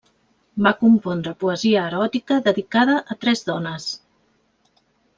Va compondre poesia eròtica dedicada a tres dones.